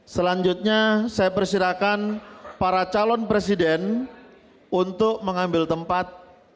selanjutnya saya persilahkan para calon presiden untuk mengambil tempat